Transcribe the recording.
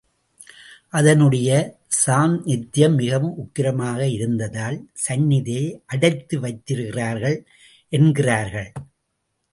அதனுடைய சாந்நித்யம் மிகவும் உக்கிரமாக இருந்ததால் சந்நிதியை அடைத்து வைத்திருக்கிறார்கள் என்கிறார்கள்.